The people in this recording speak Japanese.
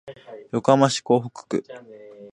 横浜市港北区